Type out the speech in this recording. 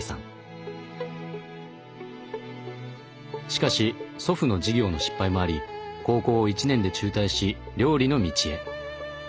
しかし祖父の事業の失敗もあり高校を１年で中退し料理の道へ。